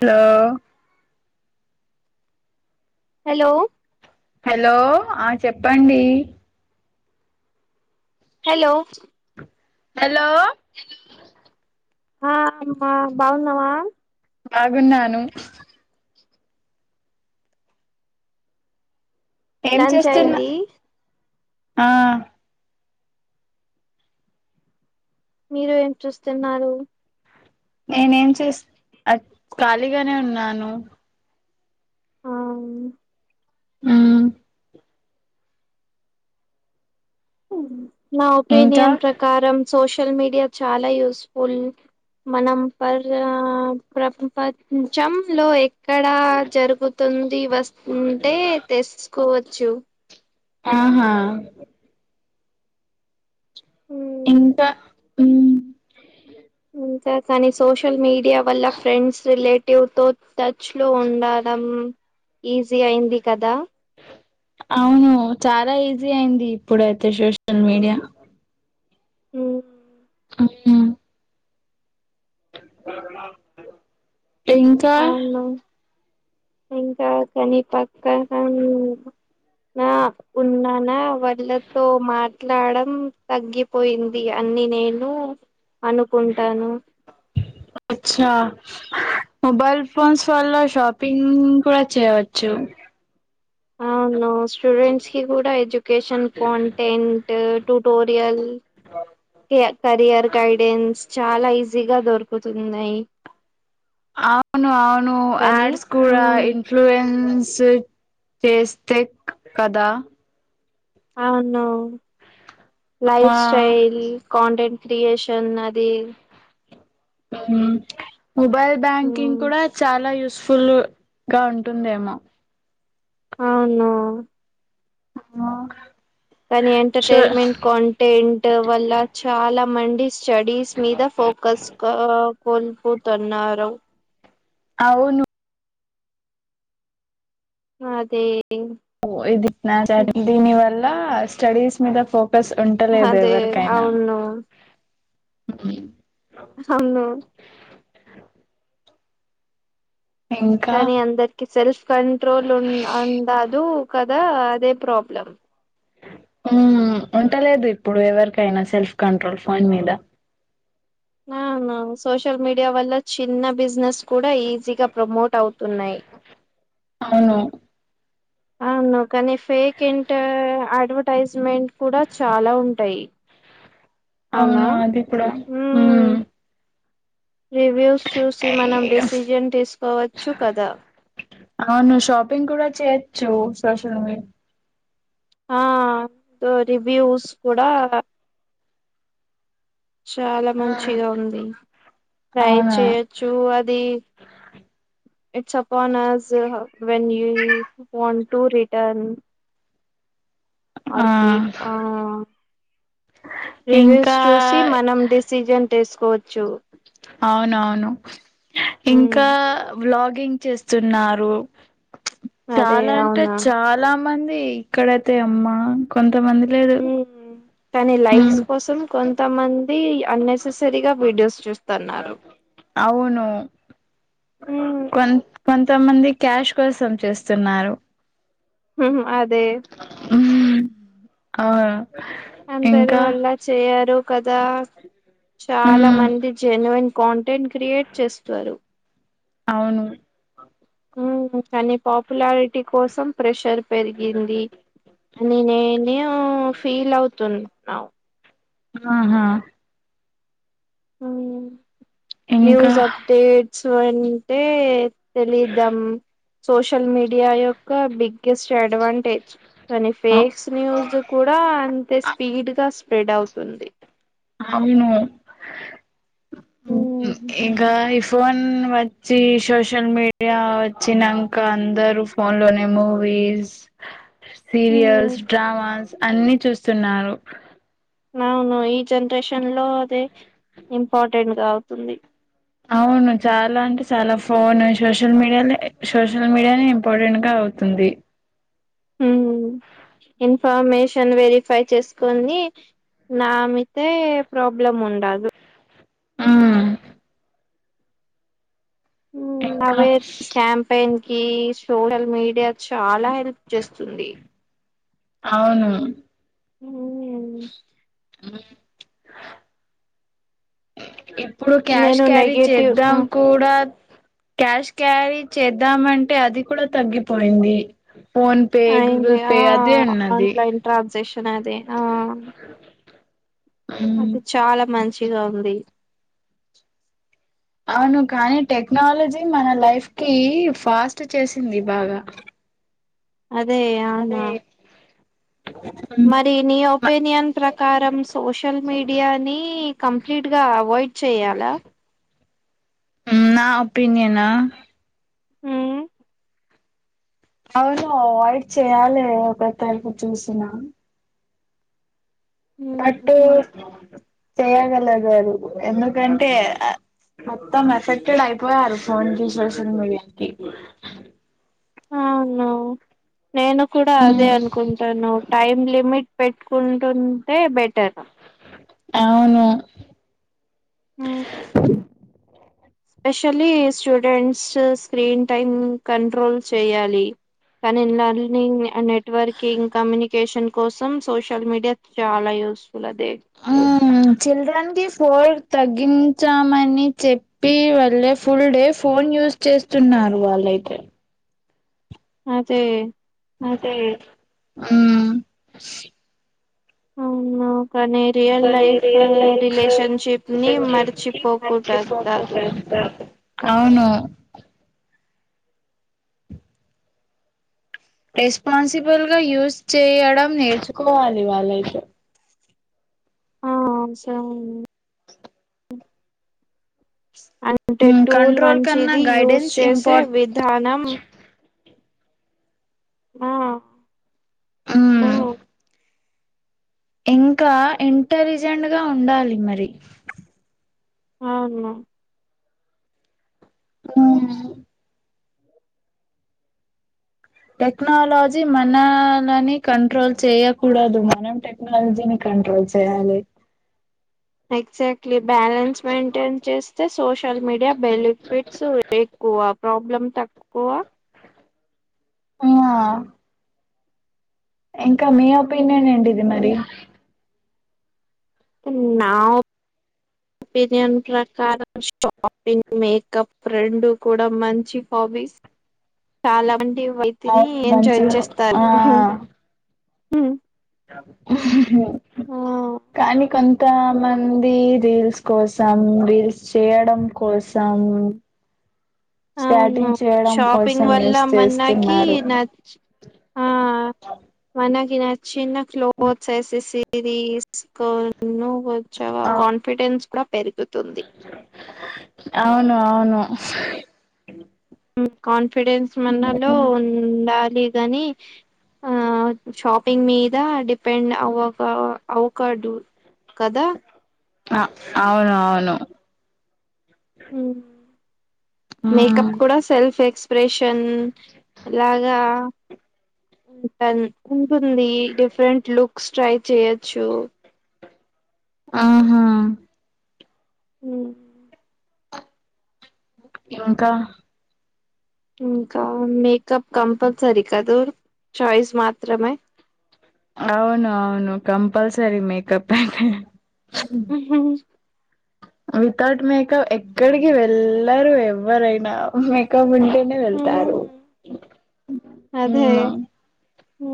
Hello hello hello ఆ చెప్పండి hello hello hello హ అమ్మా బాగున్నావా బాగున్నాను ఏం లంచ్ చేస్తున్నా అయింది ఆ మీరు ఏం చూస్తున్నారు నేనేం చే ఆ ఖాళీగానే ఉన్నాను ఆ అవును ఉం నా ఇంకా ఒపీనియన్ ప్రకారం సోషల్ మీడియా చాలా యూస్ఫుల్ మనం పర ప్రపంచం లో ఎ ఎక్కడ జరుగుతుంది వస్తుంటే తెసుకోవచ్చు ఆహా ఇంకా ఉం ఇంకా కానీ సోషల్ మీడియా వల్ల ఫ్రెండ్స్ రిలేట్ ట్యూత్ టచ్ లో ఉండడం ఈజీ అయింది కదా అవును చాలా ఈజీ అయింది ఇప్పుడయితే సోషల్ మీడియా ఉం అవునా ఇంకా అవును ఇంకా కానీ పక్క అని నా ఉన్నానా వాళ్ళతో మాట్లాడం తగ్గిపోయింది అని అని నేను అనుకుంటాను అచ్చా మొబైల్ ఫోన్స్ వల్ల షాపింగ్ కూడా చేయచ్చు అవును స్టూడెంట్స్ కి కూడా ఎడ్యుకేషన్ కాంటెంట్ ట్యూటోరియల్ కె కెరియర్ గైడెన్స్ చాలా ఈజీగా దొరుకుతున్నాయి అవును అవును కానీ ఆడ్స్ కూడా ఉమ్ ఇన్ఫ్లూయన్స్ స్ చేస్తే కదా అవును లైఫ్ ఆ స్టైల్ కాంటెంట్ క్రియేషన్ అది ఉం మొబైల్ బ్యాంకింగ్ ఉమ్, కూడా చాలా యూస్ఫు ఫుల్ గా ఉంటుందేమో అవును ఆ కానీ ఎంటర్టైన్మెంట్ కాంటెంట్ వల్ల చాలా మం స్టడీస్ మీద ఫోకస్ కో కోల్పోతున్నారు అవును అదే ఓ [unintelligible] దీని వల్ల స్టడీస్ మీద ఫోకాస్ బస్ ఉంటలేదు అదే ఎవరికైనా అవును ఉం అవునవును ఇంకా కానీ అందరికి సెల్ఫ్ కంట్రోల్ ఉ ఉండదు దా అదే ప్రాబ్లెం ఉం ఉంటలేదు ఇప్పుడు ఎవరికైనా సెల్ఫ్ కంట్రోల్ ఫోన్ మీద అవునా సోషల్ మీడియా వల్ల చిన్న బిజినెస్ కూడా ఈజీగా ప్రమోట్ అవుతున్నాయి అవును అవును కానీ ఫేక్ యేంటా అడ్వర్టైజ్మెంట్ కూడా చాలా ఉంటాయి అవ్ అవునా నాది కూడా మ్మ్ రివ్యూస్ చూసి మనం డిసిజన్ తీసుకోవచ్చు కదా అవును షాపింగ్ కూడా చేయొచ్చు సోషల్ మీ ఆ రివ్యూస్ కూడా చాలా మంచిగా ఉంది ట్రై అవునా చేయొచ్చు అది it's upon us when you ఇ వన్ టూ రిటర్న్ ఆ ఆర్ కిప్ ఆ ఆ రివ్యూస్ ఇంకా చూసి మనం డిసిజన్ తీసుకోవచ్చు అవునవును ఉమ్ ఇంకా బ్లాగ్ బార్గింగ్ చేస్తు ఉన్నారు అదే చాల అంటే అవునా చాల మంది ఇక్కడైతే అమ్మా కొంతమంది లేదు ఉమ్ కానీ లైక్స్ ఉమ్ కోసం కొంతమంది అన్నెససరీగా వీడియోస్ చూస్తున్నారు అవును ఉమ్ కొంత కొంతమంది క్యాష్ కోసం చూస్తున్నారు ఉహు అదే ఆ అందరూ అలా చేయారు కదా చాలా ఉమ్ మంది జెన్యున్ కాంటెంట్ క్రియేట్ చేస్తారు అవును మ్మ్ కానీ పాపులారిటీ కోసం ప్రెషర్ పెరిగింది నిను నేనియో ఫీల్ అవుతున్నావు ఆహా అవునా ఇంకా న్యూస్ అప్డేట్స్ అని అంటే తెలిద్దాం సోషల్ మీడియా యొక్క బిగ్ గెస్డ్ అడ్వాంటేజ్ కొన్ని అవ్- ఫేక్స్ న్యూస్ కూడా అయితే స్పీడ్ గా స్ప్రెడ్ అవుతుంది అవును ఉమ్, ఇంకా ఇఫ్ ఫోన్ వచ్చి సోషల్ మీడియా వచ్చినాంక అందరు ఫోన్ లోనే మూవీ మూవీస్ సీరియల్స్ ఉమ్. డ్రామాస్ అన్ని చూస్తున్నారు అవును ఈ జనరేషన్ లో అదే ఇంపార్టెంట్ గా అవుతుంది అవును చాలా అంటే చాలా ఫోన్ సోషల్ మీడియాలో సోషల్ మీడియానే ఇంపార్టెంట్ గా అ అవుతుంది హ్మ్ ఇన్ఫర్మేషన్ వెరిఫై చేసుకని నామ్మితే ప్రాబ్లం ఉండదు ఆ మ్మ్ ఇంకా అవే స్టాంప్ [unintelligible] కి సోషల్ మీడియా కి చాలా హెల్ప్ చేస్తుంది అవునా హ్మ్ అవును ఇప్పుడు క్యాష్ నేను క్యారీ నెగటివ్ చేద్దాం హ్మ్, కూడా క్యాష్ క్యారీ చేద్దామంటే అది కూడా తగ్గిపోయింది ఫోన్ పే అయింది గూగుల్ ఆ పే అదే ఉన్నది ఆన్లైన్ ట్రాన్సాక్షన్ అదే ఆ ఉమ్ అది చాలా మంచిగా ఉంది అవును కానీ టెక్నాలజీ మన లైఫ్ కి ఫాస్ట్ చేసింది బాగా అదే అదే అవునా మ్, మరి నీ మ- ఒపీనియన్ ప్రకారం సోషల్ మీడియా ని కంప్లీట్ గా అవ వయిట్ చేయాలా నా ఒపీనియన్ ఆ ఉ అవును అవాయిడ్ చెయాలి ఒక తరపు చూసిన ఉమ్, బట్టు చేయగలగరు ఎందుకంటే మొత్తం మెసెక్టెడ్ అయిపోయాారు ఫోన్కి సోషల్ మీడియాకి అవును నేను కూడా అదే మ్, అనుకుంటాను టైమ్ లిమిట్ పెట్టుకుంటుంటే బెటర్ అవును especially students screen time control చేయాలి కానీ లెర్నింగ్ నెట్వర్కింగ్ కమ్యూనికేషన్ కోసం సోషల్ మీడియా చాలా యూస్ ఆ చిల్డ్రన్ కి ఫోర్త్ తగ తగ్గించామని చెప్పి వాళ్ళే ఫుల్ డే ఫోన్ యూస్ చేస్తున్నారు వాళ్ళైతే అదే అదే ఉ అవును కానీ రియల్ కానీ లైఫ్ రియల్ లైఫ్ రిలేషన్షిప్ ని రిలేషన్షిప్ ని మర్చిపోకూడ కాదు మర్చిపోతుంటారు అవును రెస్పాన్సిబుల్ గా యూజ్ చేయడం నేర్చుకోవాలి వాళ్ళైతే ఆ స అ అంటే ఉమ్ టూల్ కంట్రోల్ కన్నా మంచిది యూస్ గైడెన్స్ చేసే ఇంపార్ట్ విధానం ఆ ఆ ఇంకా ఇంటెలిజెంట్గా ఉండాలి మరి అవును ఆ టెక్నాలజీ మనలని కంట్రోల్ చేయకూడదు మనం టెక్నాలజీని కంట్రోల్ చేయాలి ఎక్జాక్ట్ బ్యాలెన్స్ మెయింటైన్ చేస్తే సోషల్ మీడియా బెనిఫిట్స్ ఎక్కువ ప్రాబ్లమ్ తక్కువ ఆ ఇంకా మీ ఒపీనియన్ మ్మ్. ఏంటిది మరి న్నా ఒ ఒపీనియన్ ప్రకారం షాపింగ్ మేకప్ రెండు కూడా మంచి హాబీస్ చాలా వంటి వైతిని అవును ఎంజాయ్ మంచిగా ఆ చేస్తారు ఆ కానీ కొం తా మందీ రీల్స్ కోసం రీల్స్ చేయడం కోసం అవును స్టాటింగ్ చేయడం షాపింగ్ కోసం వల్ల యూస్ మనకి చేస్తున్నారూ న ఆ మనకి నచ్చిన క్లోత్సేసేసీ దీస్ [unintelligible] ఆ కోన్ఫిడెన్స్ కుడా అవును అవును కాన్ఫిడెన్స్ మనలో ఉండాలి గనీ ఆ షాపింగ్ మీదా డిపెండ్ అవ్వకా అవ్ కాదూ కదా అ అవునవును ఊ ఉమ్, మేకప్ కూడా సెల్ఫ్ ఎక్స్ప్రెషన్ లాగా ఉంటన్ ఉంటుందీ డిఫ్రెంట్ లుక్స్ ట్రై చేయచ్చూ ఆహా ఉ ఇంకా ఇంకా మేకప్ కంపల్సరి కదూ చాయిస్ మాత్రమే అవును అవును కంపల్సప్ మేకప్ వితౌట్ మేకప్ ఎక్కడికి వెళ్లరు ఎవ్వరైనా మేకప్పున్ టేనె వెళ్తారూ ఆ ఊ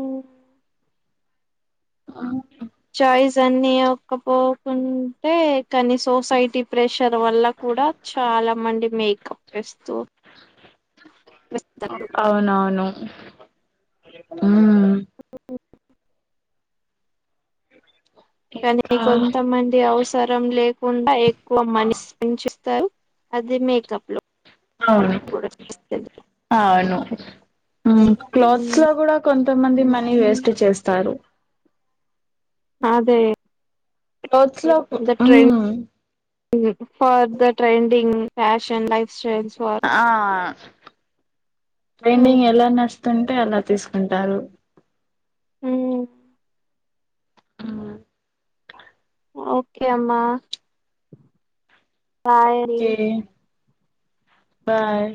[unintelligible] [unintelligible] కని సోసైటీ ప్రెష్ షర్ వల్ల కూడా చాలా మంది మేకప్ వెస్తూ అవునవును ఊ కానీ అవును కొంతమంది అవసరం లేకుండ ఎక్కువ మని అది మేకప్ లొ అవును ఆవును ఊ క్లోత్స్ లో గూడా కొంతమంది మనీ వేస్టు చేస్తారూ ఆదే క్లోత్స్ లోకు ఊ for the trending fashion life styles for ఆ హ్మ్ ట్రెండింగ్ ఎలా నడుస్ తుంటే అలా తీసుకుంటారూ ఊ [unintelligible] ఓకే అమ్మా బాయ్ మరీ బాయ్